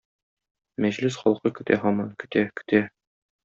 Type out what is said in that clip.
Мәҗлес халкы көтә һаман, көтә, көтә.